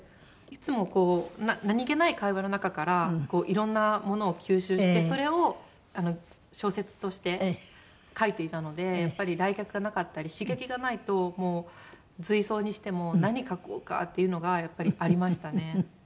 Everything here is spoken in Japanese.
いつもこう何げない会話の中からいろんなものを吸収してそれを小説として書いていたのでやっぱり来客がなかったり刺激がないともう随想にしても何書こうかっていうのがやっぱりありましたね。